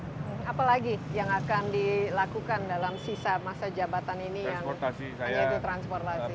apa lagi yang akan dilakukan dalam sisa masa jabatan ini yang hanya itu transportasi